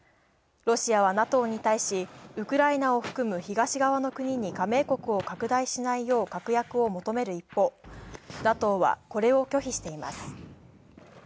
ロシアはＮＡＴＯに対し、ウクライナを含む東側の国に加盟国を拡大しないよう確約を求める一方ＮＡＴＯはこれを拒否しています。